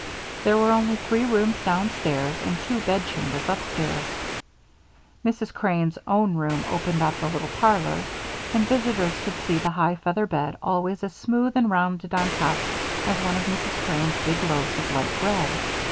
There were only three rooms downstairs and two bed chambers upstairs. Mrs. Crane's own room opened off the little parlor, and visitors could see the high feather bed always as smooth and rounded on top as one of Mrs. Crane's big loaves of light bread.